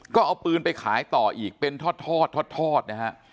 ก็เอาปืนไปขายต่ออีกเป็นทอดทอดนะฮะ